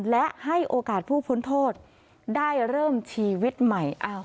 และให้โอกาสผู้พ้นโทษได้เริ่มชีวิตใหม่